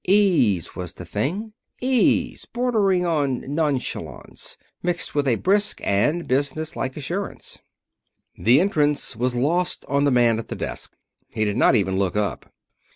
Ease was the thing; ease, bordering on nonchalance, mixed with a brisk and businesslike assurance. The entrance was lost on the man at the desk. He did not even look up.